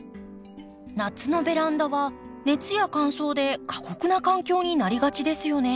夏のベランダは熱や乾燥で過酷な環境になりがちですよね。